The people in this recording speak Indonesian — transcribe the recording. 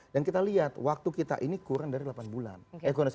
dan kita lihat waktu kita ini kurang dari delapan bulan